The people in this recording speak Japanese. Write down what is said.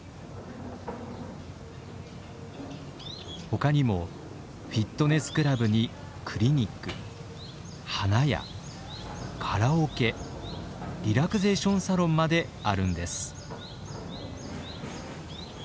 他にもフィットネスクラブにクリニック花屋カラオケリラクゼーションサロンまであるんです。